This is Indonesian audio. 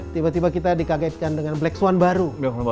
tiba tiba kita dikagetkan dengan blacks one baru